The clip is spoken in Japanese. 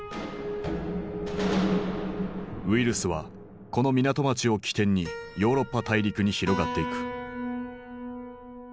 ウイルスはこの港町を起点にヨーロッパ大陸に広がっていく。